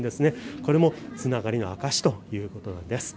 これもつながりの証しということです。